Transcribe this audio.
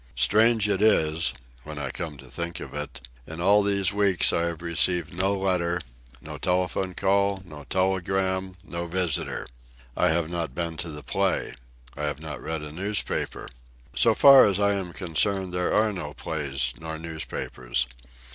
Strange it is, when I come to think of it, in all these weeks I have received no letter, no telephone call, no telegram, no visitor. I have not been to the play. I have not read a newspaper. So far as I am concerned, there are no plays nor newspapers.